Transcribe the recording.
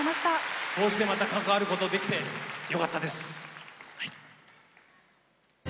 こうしてまた関わることができてよかったです。